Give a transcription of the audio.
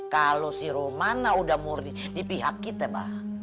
kalau si rumana udah murni di pihak kita bah